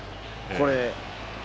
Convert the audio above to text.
これ。